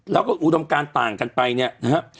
แล้วก็อุดมการต่างกันไปเนี่ยนะครับ